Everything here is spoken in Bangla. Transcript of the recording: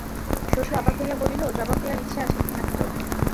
শশী অবাক হইয়া বলিল, জবাব দেয়ার ইচ্ছে আছে নাকি তোর?